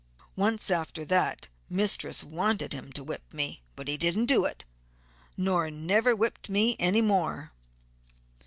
Once after that mistress wanted him to whip me, but he didn't do it, nor never whipped me any more.